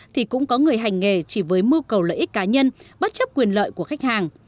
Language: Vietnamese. thì cũng có người hành nghề chỉ với mưu cầu lợi ích cá nhân bất chấp quyền lợi của khách hàng